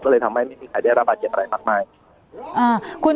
ก็เลยทำให้ไม่มีใครได้รับบาดเจ็บอะไรมากมาย